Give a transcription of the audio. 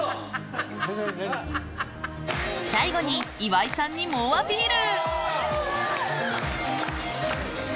最後に岩井さんに猛アピール。